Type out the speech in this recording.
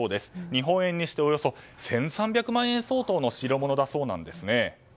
日本円にしておよそ１３００万円相当の代物だそうです。